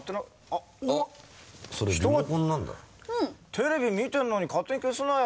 テレビ見てんのに勝手に消すなよ。